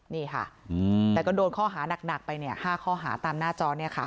นี่ค่ะแต่ก็โดนข้อหานักไป๕ข้อหาตามหน้าจอเนี่ยค่ะ